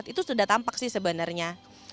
itu sudah tampak sih sebenarnya